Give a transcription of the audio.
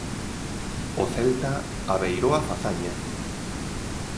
O Celta abeirou a fazaña.